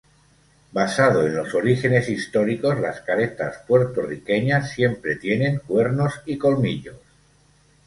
Basado en los orígenes históricos las caretas puertorriqueñas siempre tienen cuernos y colmillos.